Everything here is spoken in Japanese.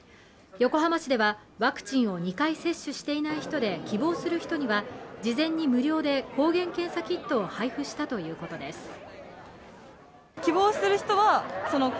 横浜市ではワクチンを２回接種していない人で希望する人には事前に無料で抗原検査キットを配布したということです